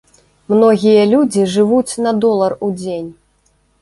Многія людзі жывуць на долар у дзень.